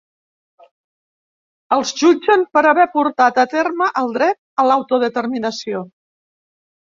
Els jutgen per haver portat a terme el dret a l’autodeterminació.